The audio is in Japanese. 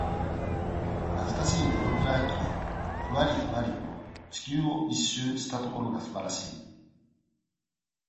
なつかしいプロペラ機で、ふわりふわりと、地球を一周したところがすばらしい。